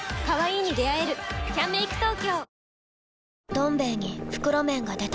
「どん兵衛」に袋麺が出た